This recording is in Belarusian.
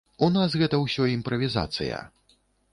У нас гэта ўсё імправізацыя.